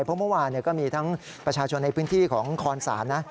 เพราะเมื่อวานก็มีทั้งประชาชนในพื้นที่ของคอนศาลนะ